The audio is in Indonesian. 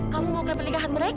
kamu mau ke pernikahan mereka